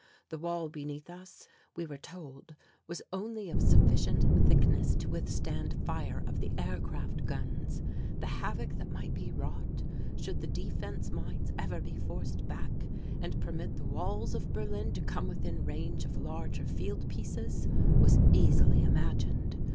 The wall beneath us, we were told, was only of sufficient thickness to withstand fire of the aircraft guns. The havoc that might be wrought, should the defence mines ever be forced back and permit the walls of Berlin to come within range of larger field pieces, was easily imagined.